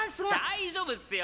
大丈夫っスよ！